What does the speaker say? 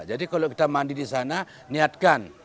jadi kalau kita mandi disana niatkan